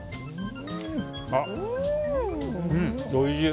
おいしい。